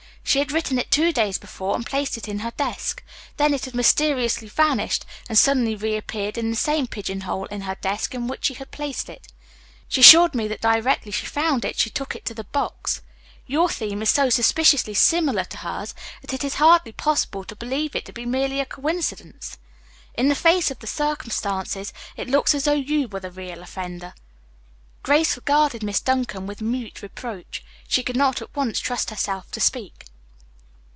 She had written it two days before and placed it in her desk. Then it had mysteriously vanished and suddenly reappeared in the same pigeonhole in her desk in which she had placed it. She assured me that directly she found it she took it to the box. Your theme is so suspiciously similar to hers that it is hardly possible to believe it to be merely a coincidence. In the face of the circumstances it looks as though you were the real offender." Grace regarded Miss Duncan with mute reproach. She could not at once trust herself to speak.